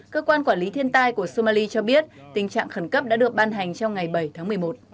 cơ quan quản lý thiên tai của somali cho biết tình trạng khẩn cấp đã được ban hành trong ngày bảy tháng một mươi một